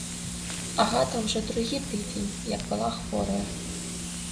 Агата ўжо другі тыдзень, як была хвораю.